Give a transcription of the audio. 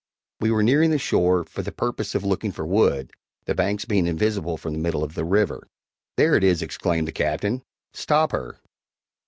We were nearing the shore, for the purpose of looking for wood, the banks being invisible from the middle of the river. "There it is!" exclaimed the Captain; "stop her!"